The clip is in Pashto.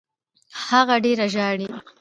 هغه ډېره ژاړي.